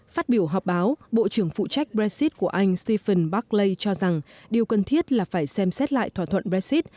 phát biểu họp báo bộ trưởng phụ trách brexit của anh stephen buckley cho rằng điều cần thiết là phải xem xét lại thỏa thuận brexit